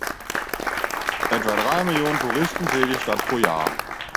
Etwa drei Millionen Touristen zählt die Stadt pro Jahr.